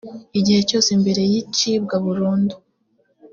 igihe cyose mbere y icibwa burundu